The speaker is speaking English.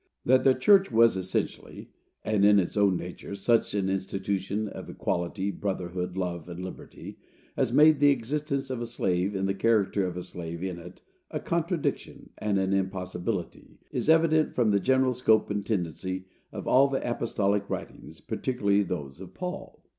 That the church was essentially, and in its own nature, such an institution of equality, brotherhood, love and liberty, as made the existence of a slave, in the character of a slave, in it, a contradiction and an impossibility, is evident from the general scope and tendency of all the apostolic writings, particularly those of Paul.